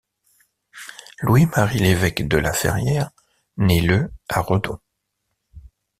Louis Marie Levesque de Laferrière nait le à Redon.